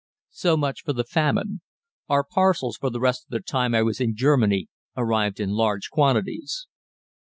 So much for the famine; our parcels for the rest of the time I was in Germany arrived in large quantities.